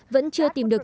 vẫn chưa tìm được